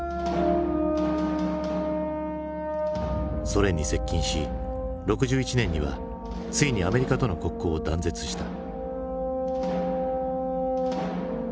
ソ連に接近し６１年にはついにアメリカとの国交を断絶した。